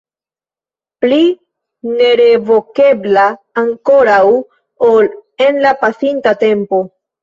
Pli nerevokebla ankoraŭ ol en la pasinta tempo.